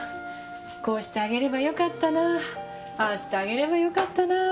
こうしてあげれば良かったなああしてあげれば良かったなって。